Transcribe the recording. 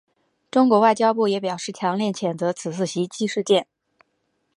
中国外交部也表示强烈谴责此次袭击事件。